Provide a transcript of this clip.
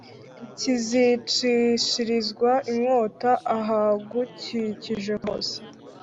kizicishirizwa inkota ahagukikije hose